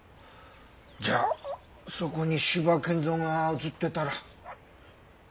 じゃあそこに斯波健三が映ってたら。